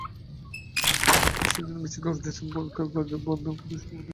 হূতিক-সুজানের বিচ্ছেদে অর্জুনের সম্পৃক্ততার গুজব বন্ধ করতেই সম্ভবত তাঁরা সেখানে গিয়েছিলেন।